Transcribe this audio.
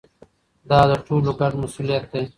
دا د ټولو ګډ مسؤلیت دی.